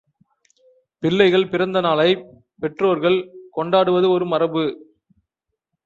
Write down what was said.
பிள்ளைகள் பிறந்த நாளைப் பெற்றோர்கள் கொண்டாடுவது ஒரு மரபு.